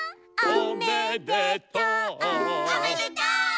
「おめでとう！」